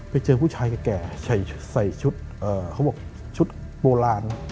ไปเจอผู้ชายแก่ใส่ชุดเขาบอกชุดโบราณ